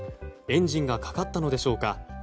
エンジンがかかったのでしょうか。